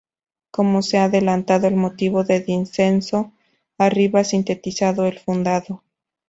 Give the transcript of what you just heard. Como se ha adelantado, el motivo de disenso arriba sintetizado en fundado.